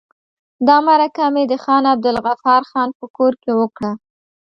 دا مرکه مې د خان عبدالغفار خان په کور کې وکړه.